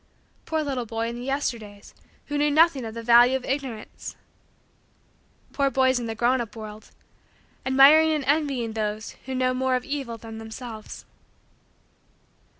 Poor little boy in the Yesterdays who knew nothing of the value of Ignorance! Poor boys in the grown up world admiring and envying those who know more of evil than themselves!